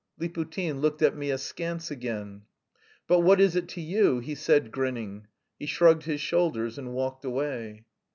Liputin looked at me askance again. "But what is it to you?" he said, grinning. He shrugged his shoulders and walked away.